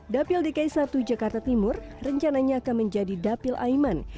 dapil dki satu jakarta timur rencananya akan menjadi dapil aiman